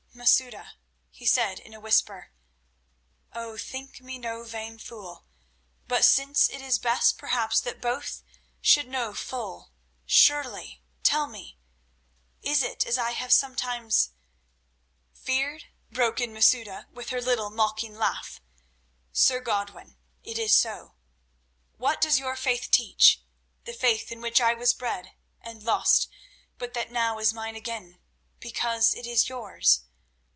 "Masouda," he said in a whisper, "oh! think me no vain fool, but since it is best perhaps that both should know full surely, tell me, is it as I have sometimes—" "Feared?" broke in Masouda with her little mocking laugh. "Sir Godwin, it is so. What does your faith teach—the faith in which I was bred, and lost, but that now is mine again—because it is yours?